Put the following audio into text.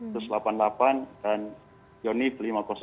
sos delapan puluh delapan dan ionif lima ratus dua